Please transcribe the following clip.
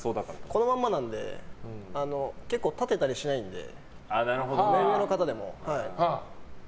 このまんまなので結構、立てたりしないので目上の方でも。